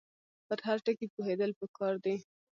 په هر ټکي پوهېدل پکار دي.